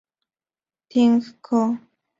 Thing Co.